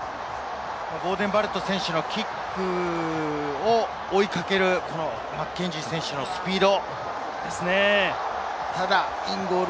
ボーデン・バレット選手のキックを追いかけるマッケンジー選手のスピード。